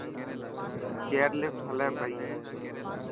چيئرلفٽ هلي پئي